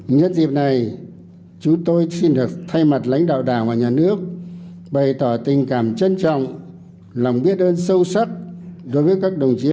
nhân dịp này chúng tôi xin được thay mặt lãnh đạo đảng và nhà nước bày tỏ tình cảm trân trọng lòng biết ơn sâu sắc đối với các đồng chí